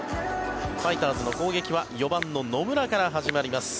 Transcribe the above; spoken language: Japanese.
ファイターズの攻撃は４番の野村から始まります。